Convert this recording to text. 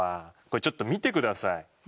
これちょっと見てください。